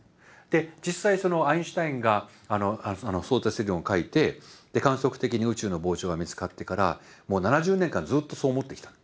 実際そのアインシュタインが相対性理論を書いて観測的に宇宙の膨張が見つかってからもう７０年間ずっとそう思ってきた。